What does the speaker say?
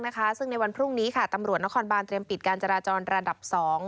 ที่ในวันพรุ่งนี้ตำรับนครบาลเตรียมปิดการจราจรระดับสอง